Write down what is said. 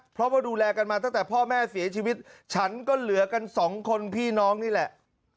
เพราะว่าดูแลกันมาตั้งแต่พ่อแม่เสียชีวิตฉันก็เหลือกันสองคนพี่น้องนี่แหละ